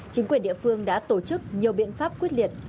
chính quyền địa phương đã tổ chức nhiều biện pháp quyết liệt